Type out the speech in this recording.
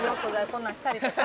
こんなんしたりとか。